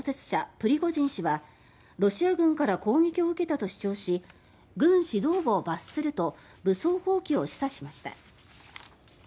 プリゴジン氏は、ロシア軍から攻撃を受けたと主張し軍指導部を罰すると武装蜂起を示唆しました。